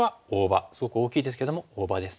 すごく大きいですけども大場です。